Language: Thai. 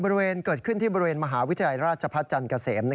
เกิดขึ้นที่บริเวณมหาวิทยาลัยราชพัฒน์จันทร์เกษม